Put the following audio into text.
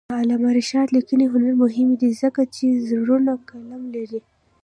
د علامه رشاد لیکنی هنر مهم دی ځکه چې زړور قلم لري.